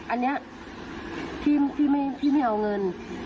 อันนี้พี่ไม่เอาเงิน